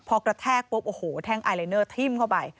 พอกระแทกปุ๊บโอ้โหแท่งไอลายเนอร์ทิ้มเข้าไป